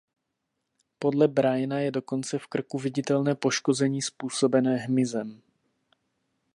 Podle Briana je dokonce v krku viditelné poškození způsobené hmyzem.